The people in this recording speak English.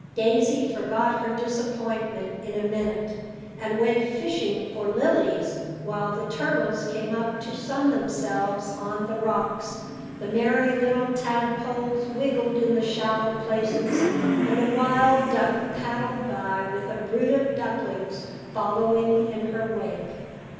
Daisy forgot her disappointment in a minute, and went fishing for lilies; while the turtles came up to sun themselves on the rocks, the merry little tadpoles wiggled in the shallow places, and a wild duck paddled by with a brood of ducklings following in her wake.